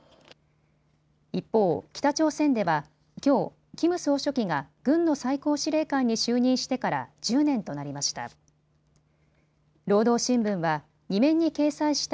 一方、北朝鮮では、きょうキム総書記が軍の最高司令官に就任してから１０年となりました。